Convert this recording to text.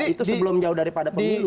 itu sebelum jauh daripada pemilu